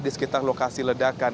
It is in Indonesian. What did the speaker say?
di sekitar lokasi ledakan